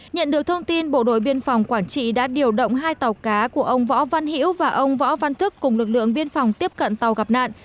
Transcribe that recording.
nhận được thông tin bộ đội biên phòng quảng trị đã điều động hai tàu cá của ông võ văn hiễu và ông võ văn thức cùng lực lượng biên phòng tiếp cận tàu gặp nạn